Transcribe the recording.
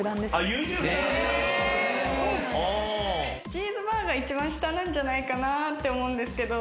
チーズバーガー一番下なんじゃないかなって思うんですけど。